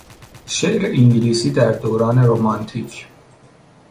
شعر انگلیسی در دوران رومانتیک